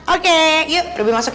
oke yuk ruby masuk yuk